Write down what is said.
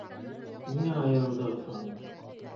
— Ниңә айырылдығыҙ һуң?